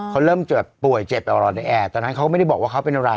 ก็เริ่มเจอป่วยเจ็บตายตอนนั้นเขาไม่ได้บอกว่าเขาเป็นอะไร